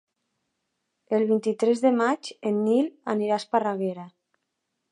El vint-i-tres de maig en Nil anirà a Esparreguera.